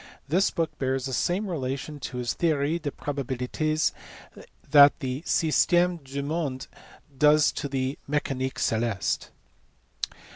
This book bears the same relation to the Theorie des probabilites that the Systeme du monde does to the Mecanique celeste.